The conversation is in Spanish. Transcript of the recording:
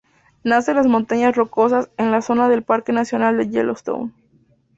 Nace en las Montañas Rocosas, en la zona del Parque nacional de Yellowstone.